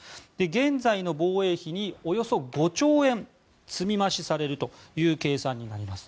現在の防衛費におよそ５兆円積み増しされるという計算になります。